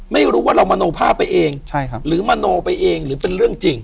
ไม่รู้ว่าเรามโนภาพไปเองใช่ครับหรือมโนไปเองหรือเป็นเรื่องจริง